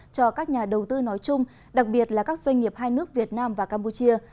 cho các nhà đầu tư nói chung đặc biệt là các doanh nghiệp hai nước việt nam và campuchia